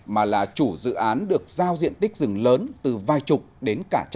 mà là chủ dự án được giao diện tích rừng lớn từ vài chục đến cả trăm